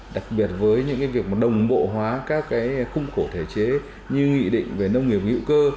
đặc biệt với những việc đồng bộ hóa các khung khổ thể chế như nghị định về nông nghiệp hữu cơ